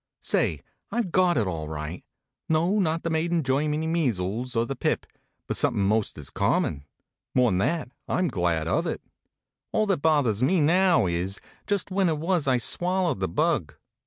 , I ve got it, all right. No, not the made in Germany measles, or the pip, but something most as common. More n that, I m glad of it. All that bothers me now is, just when it was I swallowed the bug.